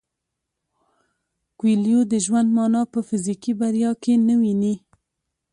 کویلیو د ژوند مانا په فزیکي بریا کې نه ویني.